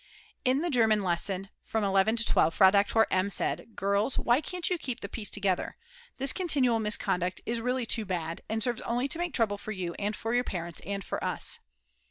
In the German lesson from 11 to 12 Frau Doktor M. said: "Girls, why can't you keep the peace together? This continual misconduct is really too bad, and serves only to make trouble for you and for your parents and for us."